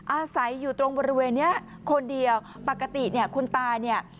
อาศัยอยู่ตรงบริเวณเนี้ยคนเดียวปกติเนี่ยคุณตาเนี่ย